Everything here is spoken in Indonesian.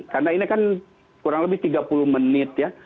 karena ini kan kurang lebih tiga puluh menit ya